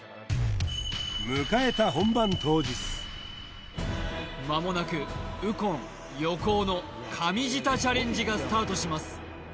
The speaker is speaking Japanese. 迎えた間もなく右近・横尾の神舌チャレンジがスタートします